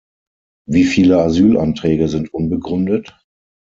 Wie viele Asylanträge sind unbegründet?